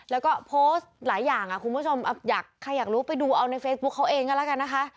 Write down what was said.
แล้วก็โพสต์หลายอย่างคุณผู้ชมอยากใครอยากรู้ไปดูเอาในเฟซบุ๊คเขาเองก็แล้วกันนะคะ